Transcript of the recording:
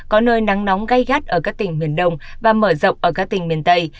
có nơi nắng nóng gây gắt ở các tỉnh miền đông và mở rộng ở các tỉnh miền tây